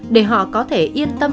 để họ có thể yên tâm